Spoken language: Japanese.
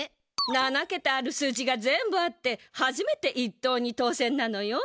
７けたある数字が全部合ってはじめて１等に当せんなのよ。